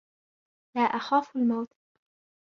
لا اخاف الموت.